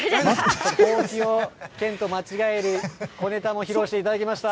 ほうきをペンと間違える小ネタも披露していただきました。